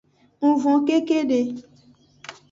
Ng von kekede.